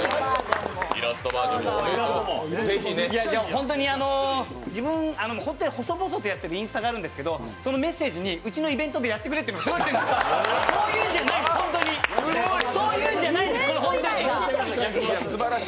本当に自分、細々とやっているインスタがあるんですけどそのメッセージに、うちのイベントでやってくれというのが来て、そういうんじゃないです、ホントにすばらしい！